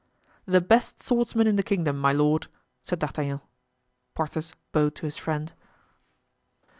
"The best swordsman in the kingdom, my lord," said D'Artagnan. Porthos bowed to his friend.